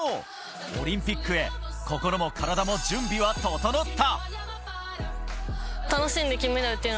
オリンピックへ心も体も準備は整った。